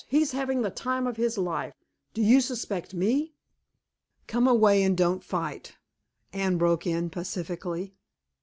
He's having the time of his life. Do you suspect me?" "Come away and don't fight," Anne broke in pacifically.